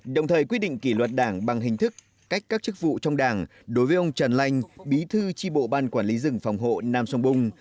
đồng thời quyết định kỷ luật đảng bằng hình thức cách các chức vụ trong đảng đối với ông trần lanh bí thư tri bộ ban quản lý rừng phòng hộ nam sông bung